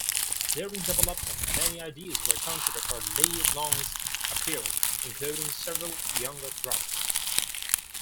During development, many ideas were considered for Li Long's appearance, including several younger drafts.